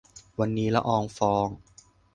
วันนี้ ละอองฟอง